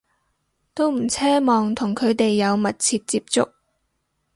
都唔奢望同佢哋有密切接觸